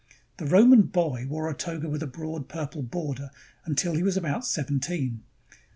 The Roman boy wore a toga with a broad purple border until he was about seventeen.